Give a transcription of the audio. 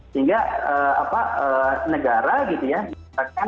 sehingga negara gitu ya